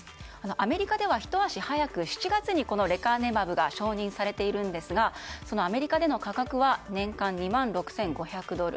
アメリカではひと足早く７月にこのレカネマブが承認されていますがそのアメリカでの価格は年間２万６５００ドル。